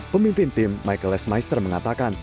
pemimpin tim michael esmeister mengatakan